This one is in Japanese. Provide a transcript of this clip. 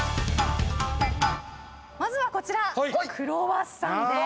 まずはこちらクロワッサンです。